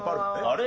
あれ？